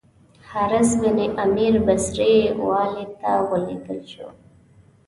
حارث بن عمیر بصري والي ته ولېږل شو.